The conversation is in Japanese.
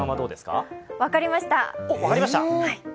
分かりました！